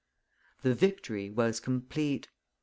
The victory was complete.